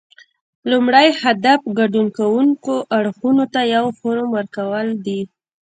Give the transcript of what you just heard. لومړی هدف ګډون کوونکو اړخونو ته یو فورم ورکول دي